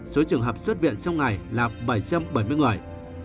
số trường hợp xuất viện trong ngày là bảy trăm bảy mươi người